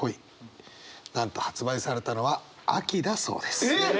なんと発売されたのは秋だそうです。えっ！？